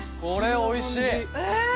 これおいしいえ！